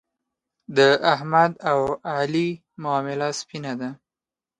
د احمد او علي معامله سپینه شوه.